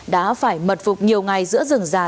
đã phải mật phục nhiều ngày giữa rừng già